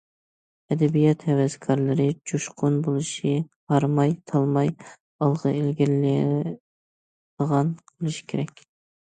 ئەدەبىيات ھەۋەسكارلىرى جۇشقۇن بولۇشى، ھارماي- تالماي ئالغا ئىلگىرىلەيدىغان بولۇشى كېرەك.